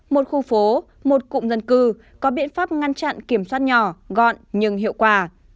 một khu phố một cụm dân cư có biện pháp ngăn chặn kiểm soát nhỏ gọn nhưng hiệu quả